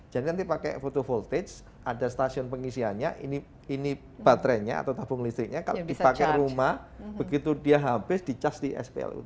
jadi nanti pakai photo voltage ada stasiun pengisiannya ini baterainya atau tabung listriknya kalau dipakai rumah begitu dia habis dicas di splu tadi